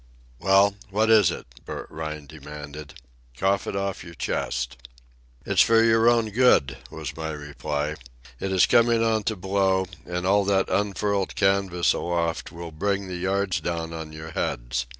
"Well, what is it?" Bert Rhine demanded. "Cough it off your chest." "It's for your own good," was my reply. "It is coming on to blow, and all that unfurled canvas aloft will bring the yards down on your heads.